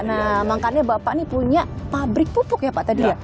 nah makanya bapak ini punya pabrik pupuk ya pak tadi ya